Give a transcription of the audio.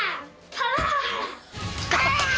パワー！